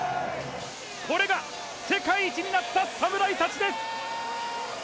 これが世界一になった侍たちです